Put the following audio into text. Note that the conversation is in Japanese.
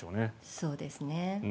そうですね。